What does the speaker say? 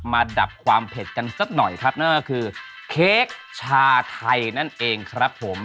ดับความเผ็ดกันสักหน่อยครับนั่นก็คือเค้กชาไทยนั่นเองครับผม